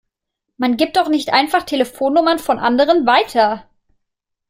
Man gibt doch nicht einfach Telefonnummern von anderen weiter!